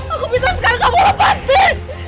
aku minta sekarang kamu lepasin